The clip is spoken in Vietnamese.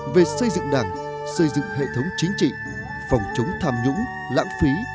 về xây dựng đảng xây dựng hệ thống chính trị phòng chống tham nhũng lãng phí